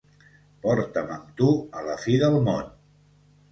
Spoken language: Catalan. Porta'm amb tu a la fi del mon.